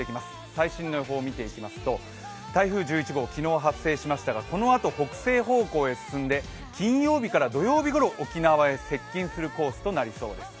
最新の情報を見ていきますと台風１１号、昨日発生しましたがこのあと北西方向へ進んで金曜日から土曜日ごろ沖縄へ接近するコースとなりそうです。